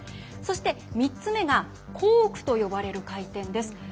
そして３つ目がコークと呼ばれる回転です。